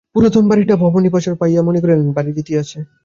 পুরাতন বাড়িটা ভবানীচরণ পাইয়া মনে করিলেন ভারি জিতিয়াছি।